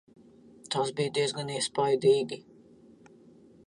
Tas bija diezgan iespaidīgi.